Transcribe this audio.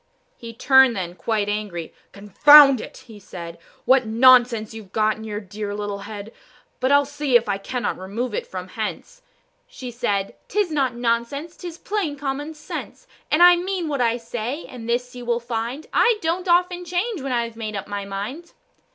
He turned, then, quite angry. "Confound it!" he said, "What nonsense you've got in your dear little head; But I'll see if I cannot remove it from hence." She said, "'Tis not nonsense, 'tis plain common sense: And I mean what I say, and this you will find, I don't often change when I've made up my mind."